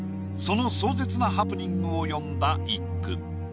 その壮絶なハプニングを詠んだ一句。